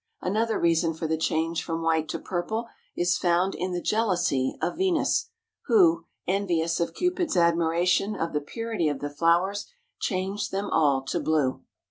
Another reason for the change from white to purple is found in the jealousy of Venus, who, envious of Cupid's admiration of the purity of the flowers, changed them all to blue.